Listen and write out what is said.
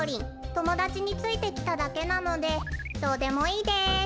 ともだちについてきただけなのでどうでもいいです。